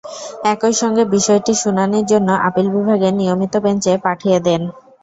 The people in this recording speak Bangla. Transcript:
একই সঙ্গে বিষয়টি শুনানির জন্য আপিল বিভাগের নিয়মিত বেঞ্চে পাঠিয়ে দেন।